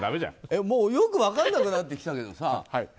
よく分からなくなってきたけどさ。